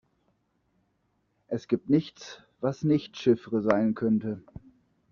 Es gibt nichts, was nicht Chiffre sein könnte.